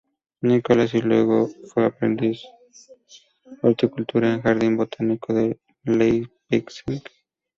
Nikolas, y luego fue aprendiz de horticultura en el Jardín Botánico de Leipzig.